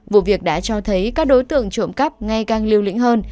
vụ việc đã cho thấy các đối tượng trộm cắp ngay càng lưu lĩnh hơn